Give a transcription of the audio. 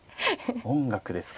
音楽ですか。